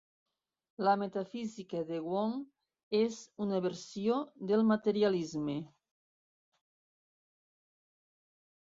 La metafísica de Wang és una versió del materialisme.